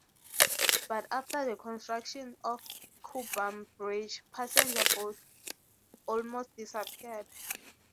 But after the construction of Kuppam Bridge, passenger boats almost disappeared.